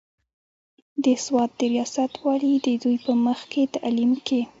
د سوات د رياست والي د دوي پۀ مخکښې تعليم کښې